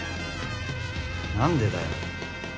何でだよ。